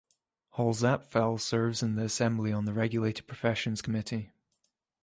Holzapfel serves in the Assembly on the Regulated Professions Committee.